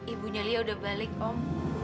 ibunya lia udah balik om